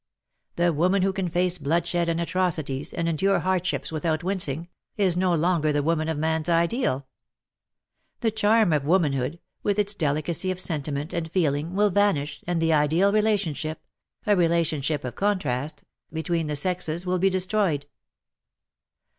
The woman who can face bloodshed and atrocities, and endure hardships without wincing, is no longer the woman of man's ideal. The charm of womanhood, with its delicacy of sentiment and feeling, will vanish, and the ideal relationship — a relationship of contrast — between the sexes WAR AND WOMEN 221 will be destroyed.